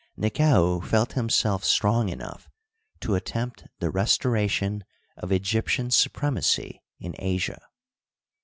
Nekau felt himself strong enough to attempt the res toration of Egyptian supremacy in Asia.